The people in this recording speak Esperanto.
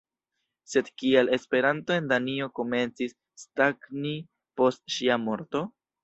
Sed kial Esperanto en Danio komencis stagni post ŝia morto?